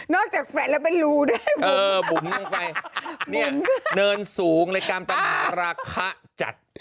นอกจากแฟลตแล้วเป็นรูด้วยบุ๋มลงไปเนินสูงและการตัญหาราคาจัด